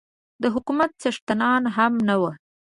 د حکومت څښتنان هم نه وو.